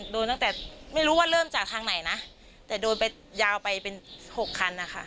โดนตั้งแต่ไม่รู้ว่าเริ่มจากทางไหนนะแต่โดนไปยาวไปเป็น๖คันนะคะ